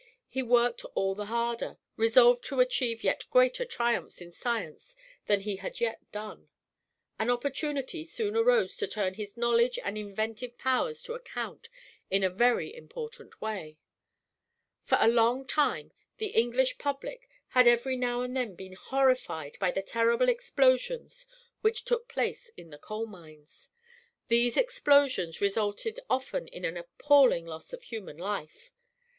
He worked all the harder; resolved to achieve yet greater triumphs in science than he had yet done. An opportunity soon arose to turn his knowledge and inventive powers to account in a very important way. For a long time the English public had every now and then been horrified by the terrible explosions which took place in the coal mines. These explosions resulted often in an appalling loss of human life.